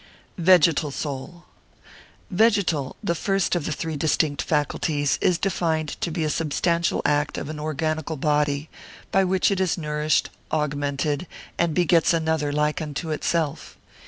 Vegetal Soul.] Vegetal, the first of the three distinct faculties, is defined to be a substantial act of an organical body, by which it is nourished, augmented, and begets another like unto itself.